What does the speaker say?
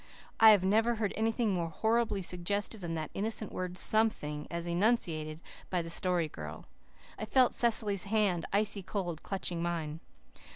I have never heard anything more horribly suggestive than that innocent word "something," as enunciated by the Story Girl. I felt Cecily's hand, icy cold, clutching mine.